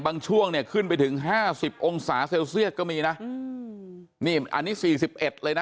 ช่วงเนี่ยขึ้นไปถึงห้าสิบองศาเซลเซียสก็มีนะอืมนี่อันนี้สี่สิบเอ็ดเลยนะ